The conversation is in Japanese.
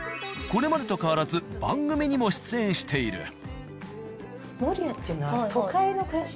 これまでと変わらず番組にも出演している。